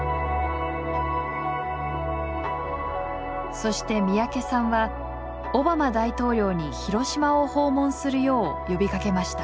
そして三宅さんはオバマ大統領に広島を訪問するよう呼びかけました。